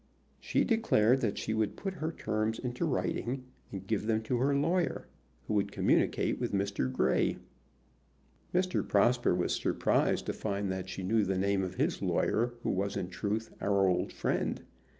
She declared that she would put her terms into writing and give them to her lawyer, who would communicate with Mr. Grey. Mr. Prosper was surprised to find that she knew the name of his lawyer, who was in truth our old friend.